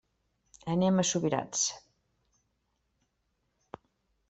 Anem a Subirats.